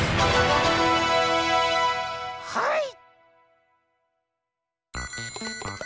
はい！